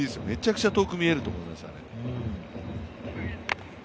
めちゃめちゃ遠く見えるところです。